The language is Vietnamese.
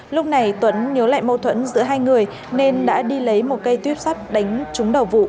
lúc này tuấn nhớ lại mâu thuẫn giữa hai người nên đã đi lấy một cây tuyếp sắt đánh trúng đầu vụ